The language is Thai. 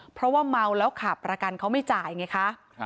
เพราะว่าเมาแล้วขับประกันเขาไม่จ่ายไงคะ